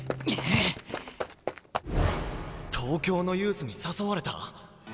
東京のユースに誘われた？